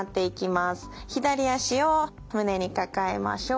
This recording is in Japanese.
左脚を胸に抱えましょう。